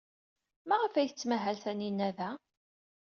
Maɣef ay tettmahal Taninna da?